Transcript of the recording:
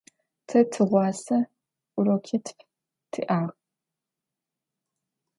Тэ тыгъуасэ урокитф тиӏагъ.